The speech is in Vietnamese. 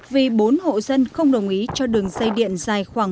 vì bốn hộ dân không đồng ý cho đường dây điện dài khoảng